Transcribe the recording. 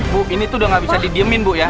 bu ini tuh udah gak bisa didiemin bu ya